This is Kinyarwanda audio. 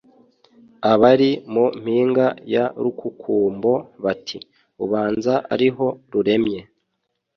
abari mu mpinga ya Rukukumbo bati: Ubanza ariho ruremye